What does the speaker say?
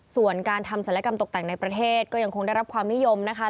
ส่วนการทำศัลยกรรมตกแต่งในประเทศก็ยังคงได้รับความนิยมนะคะ